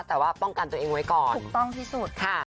แต่ว่าป้องกันตัวเองไว้ก่อนถูกต้องที่สุดค่ะ